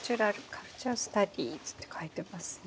カルチャースタディーズって書いてますね。